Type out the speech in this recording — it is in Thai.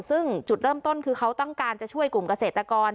ซึ่งจุดเริ่มต้นคือเขาต้องการจะช่วยกลุ่มเกษตรกร